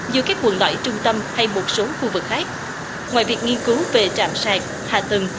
như các quần loại trung tâm hay một số khu vực khác ngoài việc nghiên cứu về trạm sạc hạ tầng